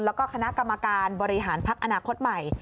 แล้วก็คณะกรรมการบริหารพักอนาคตใหม่